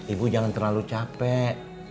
ibu jangan terlalu capek